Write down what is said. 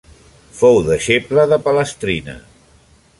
Fou deixeble de Palestrina.